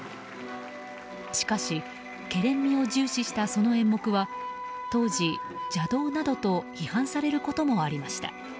しかし、けれん味を重視したその演目は当時、邪道などと批判されることもありました。